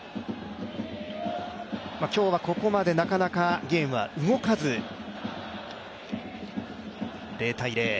今日はここまで、なかなかゲームは動かず、０−０。